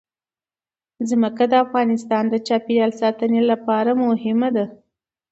ځمکه د افغانستان د چاپیریال ساتنې لپاره مهم دي.